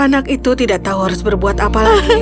anak itu tidak tahu harus berbuat apa lagi